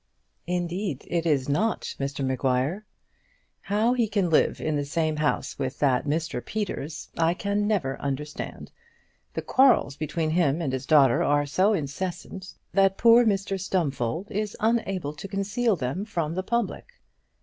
"Indeed, it is not, Mr Maguire." "How he can live in the same house with that Mr Peters, I can never understand. The quarrels between him and his daughter are so incessant that poor Mr Stumfold is unable to conceal them from the public."